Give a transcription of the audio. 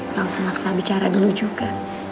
gak usah maksa bicara dulu juga